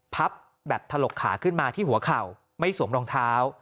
พับแบบถลกขาขึ้นมาที่หัวเข่าไม่สวมรองเท้า